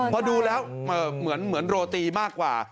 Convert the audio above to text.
พอดูแล้วเหมือนโรตีมากกว่า